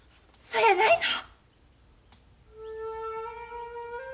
そやないの。